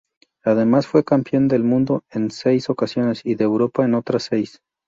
Además fue campeón del Mundo en seis ocasiones y de Europa en otras seis.